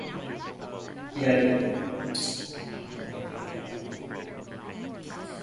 Fela stood his ground, stating, that he would get the royalties for his songs.